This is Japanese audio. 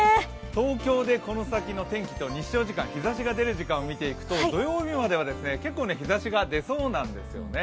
東京でこの先の天気と日照時間を見ていくと、土曜日までは結構日差しが出そうなんですよね。